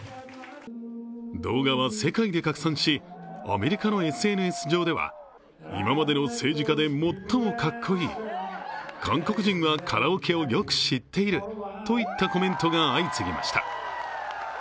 動画は世界で拡散し、アメリカのＳＮＳ上では今までの政治家で最も格好いい、韓国人はカラオケをよく知っているといったコメントが相次ぎました。